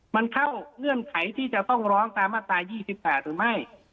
มันเข้าเงื่อนไขที่จะต้องร้องตามมาตรา๒๘หรือไม่